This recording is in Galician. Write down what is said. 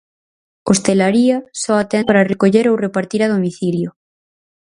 Hostalería só atende para recoller ou repartir a domicilio.